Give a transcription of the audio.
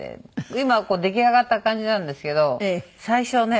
今は出来上がった感じなんですけど最初はね